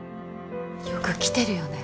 よく来てるよね